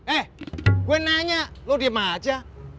eh gue nanya lo diem aja